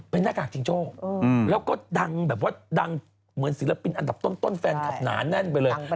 เป็นหน้ากากจิงโจ้แล้วก็ดังแบบว่าดังเหมือนศิลปินอันดับต้นแฟนคลับหนาแน่นไปเลย